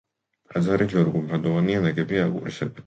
ტაძარი ჯვარ-გუმბათოვანია, ნაგებია აგურისაგან.